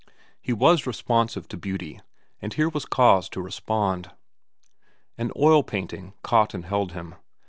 He was responsive to beauty, and here was cause to respond. An oil painting caught and held him.